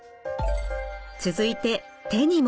続いて手にも。